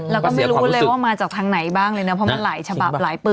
แล้วก็ไม่รู้เลยว่ามาจากทางไหนบ้างเลยนะเพราะมันหลายฉบับหลายปืน